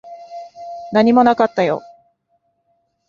何もなかったよ。